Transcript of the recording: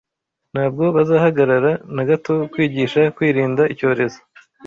Ntabwo bazahagarara na gato kwigisha kwirinda icyorezo.